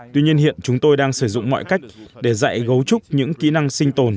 tuy nhiên hiện chúng tôi đang sử dụng mọi cách để dạy gấu trúc những kỹ năng sinh tồn